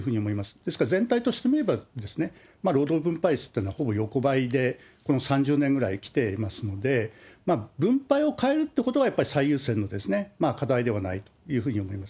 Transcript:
ですから全体として見れば、労働分配率ってのはほぼ横ばいで、この３０年ぐらいきていますので、分配を変えるということがやっぱり最優先の課題ではないというふうに思います。